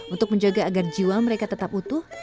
untuk menjaga agar jiwa mereka tetap utuh